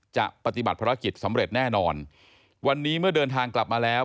จะปฏิบัติภารกิจสำเร็จแน่นอนวันนี้เมื่อเดินทางกลับมาแล้ว